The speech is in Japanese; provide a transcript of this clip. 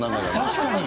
確かに。